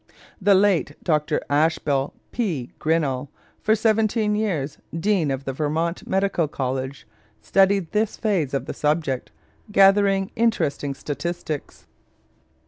The late Dr. Ashbel P. Grinnell, for seventeen years dean of the Vermont Medical College, studied this phase of the subject, gathering interesting statistics.